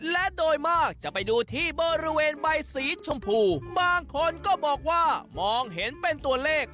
และโดยมากจะไปดูที่บริเวณใบสีชมพูบางคนก็บอกว่ามองเห็นเป็นตัวเลข